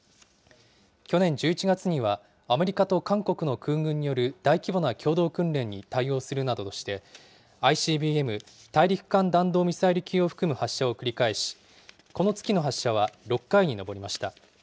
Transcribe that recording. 去年１１月には、アメリカと韓国の空軍による大規模な共同訓練に対応するなどとして、ＩＣＢＭ・大陸間弾道ミサイル級を含む発射を繰り返し、この月の発射は６回に上りました。